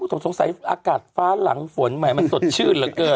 โทรถสงสัยอากาศว่าหลังฝนมันสดชื่นเหรอเกิน